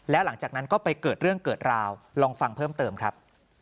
แล้วหลังจากนั้นก็ไปเกิดเรื่องเกิดราวลองฟังเพิ่มเติมครับ